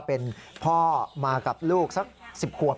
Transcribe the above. พ่อมากับลูกซัก๑๐ขวบ